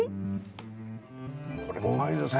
これもうまいですね。